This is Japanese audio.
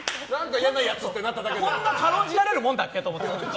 こんな軽んじられるもんだっけと思って。